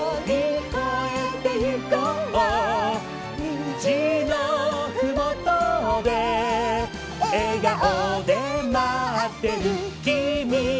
「にじのふもとでえがおでまってるきみがいる」